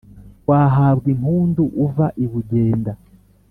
wahabwa impundu uva i bugenda